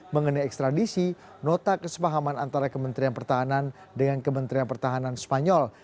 mengenai ekstradisi nota kesepahaman antara kementerian pertahanan dengan kementerian pertahanan spanyol